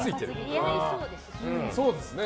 似合いそうですよね。